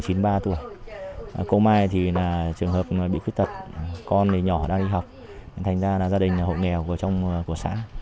cô mai thì là trường hợp bị khuyết tật con nhỏ đang đi học thành ra là gia đình hộ nghèo của trong của xã